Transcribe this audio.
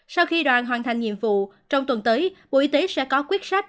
sau khi đoàn hoàn thành nhiệm vụ trong tuần tới bộ y tế sẽ có quyết sách